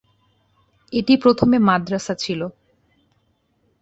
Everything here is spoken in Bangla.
এটি প্রথমে মাদ্রাসা ছিল।